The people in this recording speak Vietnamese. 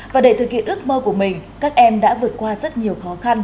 và để thực hiện ước mơ của mình các em đã vượt qua rất nhiều khó khăn